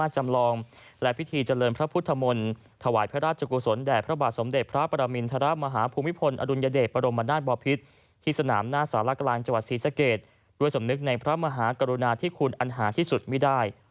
จังหวัดศรีสะเกษด้วยสมนึกในพระมหากรุณาที่คุณอันหาที่สุดไม่ได้